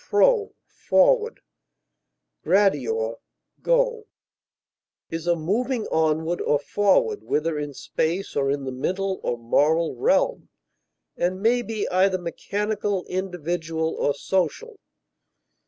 pro, forward, gradior, go) is a moving onward or forward, whether in space or in the mental or moral realm, and may be either mechanical, individual, or social.